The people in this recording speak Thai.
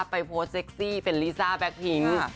ไปโพสเซ็กซี่เป็นลีซ่าแบคพิ้งซ์